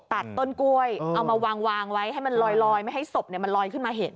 ตัดต้นกล้วยเอามาวางไว้ให้มันลอยไม่ให้ศพมันลอยขึ้นมาเห็น